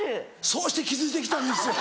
そうして築いて来たんですよ！